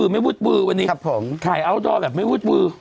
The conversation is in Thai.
ไม่วืดมือวันนี้ถ่ายอัลดอร์แบบไม่วืดมือ